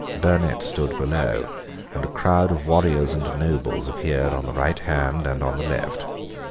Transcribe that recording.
Burnet stood below; and a crowd of warriors and nobles appeared on the right hand and on the left.